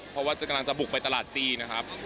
เพราะว่ากำลังจะบุกไปตลาดจีนนะครับ